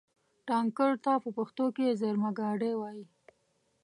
ټانکر ته په پښتو کې زېرمهګاډی وایي.